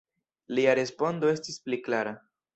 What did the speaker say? Lia respondo estis pli klara.